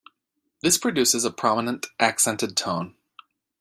This produces a prominent, accented tone.